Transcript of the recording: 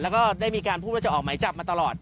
แล้วก็ได้มีการพูดว่าจะออกหมายจับมาตลอด